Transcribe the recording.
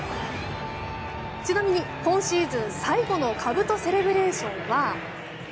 ちなみに今シーズン最後のかぶとセレブレーションは。